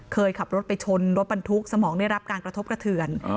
เคยขับรถไปชนรถบรรทุกสมองได้รับการกระทบกระเทือน